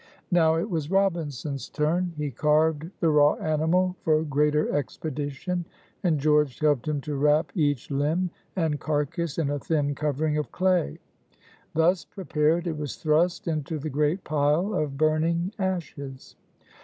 Now it was Robinson's turn. He carved the raw animal for greater expedition, and George helped him to wrap each limb and carcass in a thin covering of clay. Thus prepared, it was thrust into the great pile of burning ashes.